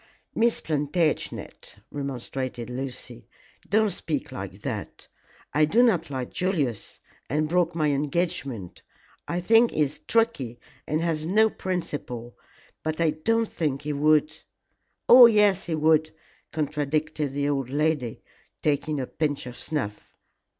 "Miss Plantagenet," remonstrated Lucy, "don't speak like that. I do not like Julius, and broke my engagement. I think he is tricky, and has no principles, but I don't think he would " "Yes, he would," contradicted the old lady, taking a pinch of snuff.